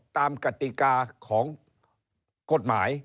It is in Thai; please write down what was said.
กติกาของกฎหมาย